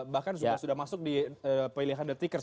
bahkan juga sudah masuk di pilihan the tickers